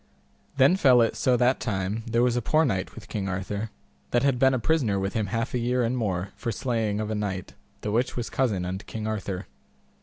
Then fell it so that time there was a poor knight with King Arthur, that had been prisoner with him half a year and more for slaying of a knight, the which was cousin unto King Arthur.